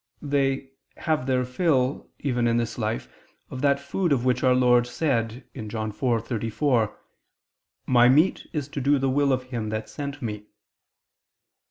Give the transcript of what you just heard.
They "have their fill," even in this life, of that food of which Our Lord said (John 4:34): "My meat is to do the will of Him that sent Me."